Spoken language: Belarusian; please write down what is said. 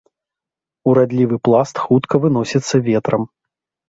Урадлівы пласт хутка выносіцца ветрам.